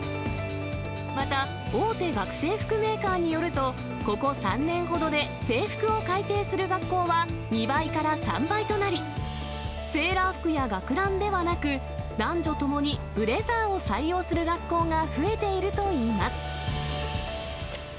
また大手学生服メーカーによると、ここ３年ほどで制服を改定する学校は２倍から３倍となり、セーラー服や学ランではなく、男女ともにブレザーを採用する学校が増えているといいます。